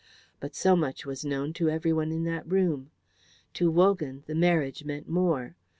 But so much was known to everyone in that room; to Wogan the marriage meant more.